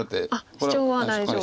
シチョウは大丈夫。